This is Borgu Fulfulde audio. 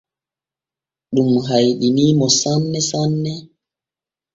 Ɗum hayɗinii mo sanne hanne.